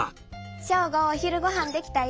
ショーゴお昼ごはんできたよ。